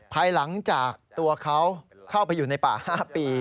ภายหลังจากตัวเขาเข้าไปอยู่ในป่า๕ปี